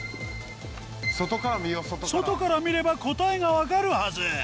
外から見れば答えがわかるはず！